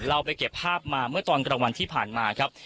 เราไปเก็บภาพมาเมื่อตอนกลางวันที่ผ่านมาครับ